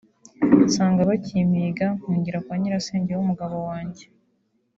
nsanga bakimpiga mpungira kwa nyirasenge w’umugabo wanjye